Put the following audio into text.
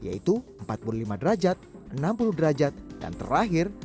konfigurasi mesin ini memiliki sudut kemiringan blok silinder mesin yang menyerupai huruf v